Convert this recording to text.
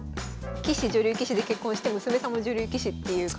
棋士女流棋士で結婚して娘さんも女流棋士っていう。